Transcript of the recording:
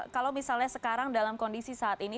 kalau misalnya sekarang dalam kondisi saat ini